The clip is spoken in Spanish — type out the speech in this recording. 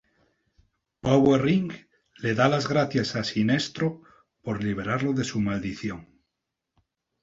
Power Ring le da las gracias a Sinestro por liberarlo de su maldición.